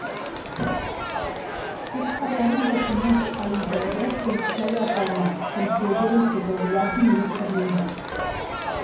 Tots parlaven del famós allipebre que es feia al Palmar, com si hagueren fet el viatge només per a menjar.